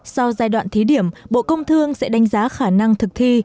sau giai đoạn thí điểm bộ công thương sẽ đánh giá khả năng thực thi